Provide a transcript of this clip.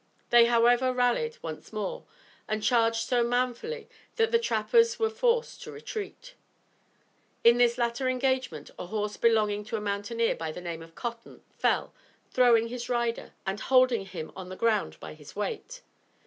They, however, rallied once more and charged so manfully that the trappers were forced to retreat. In this latter engagement a horse belonging to a mountaineer by the name of Cotton, fell, throwing his rider and holding him on the ground by his weight.